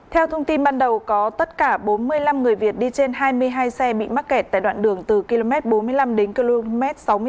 theo thông tin ban đầu có tất cả bốn mươi năm người việt đi trên hai mươi hai xe bị mắc kẹt tại đoạn đường từ km bốn mươi năm đến km sáu mươi sáu